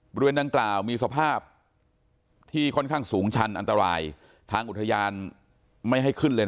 บริเวณดังกล่าวมีสภาพที่ค่อนข้างสูงชันอันตรายทางอุทยานไม่ให้ขึ้นเลย